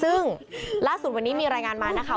และพาอาวุธปืนเครื่องกระสุนปืนไว้ในครอบครองโดยไม่ได้รับอนุญาต